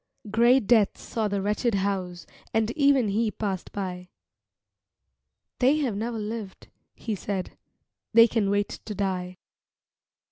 Gray Death saw the wretched house And even he passed by "They have never lived," he said, "They can wait to die."